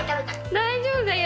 大丈夫だよ。